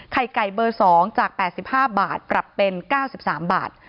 ไข่ไก่เบอร์๒จาก๘๕บาทปรับเป็น๙๓บาท